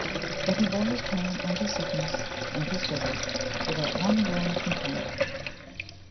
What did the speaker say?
But he bore his pain and his sickness (and his physic) without one groan of complaint.